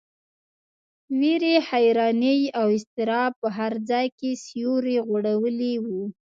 وېرې، حیرانۍ او اضطراب په هر ځای کې سیوری غوړولی و.